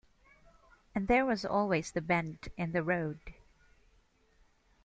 And there was always the bend in the road!